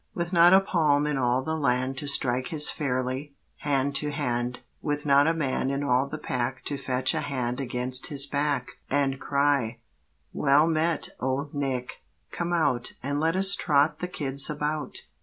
With not a palm in all the land To strike his fairly, hand to hand, With not a man in all the pack To fetch a hand against his back And cry, "Well met, Old Nick, come out And let us trot the kids about.